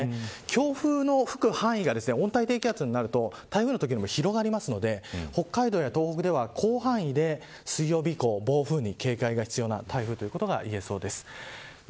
強風の吹く範囲が温帯低気圧になると台風のときより距離が広がるので北海道や東北では広範囲で水曜日以降、暴風雨に警戒が必要な台風といえそうです。